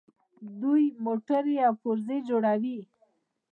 دوی موټرې او پرزې جوړوي.